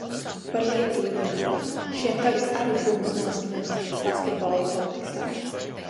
Par Lietuvu runājot, šiem tagad arī drūms noskaņojums basketbola kontekstā.